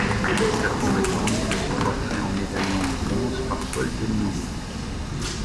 Sa tombe est ornée de son portrait en médaillon en bronze par Paul Belmondo.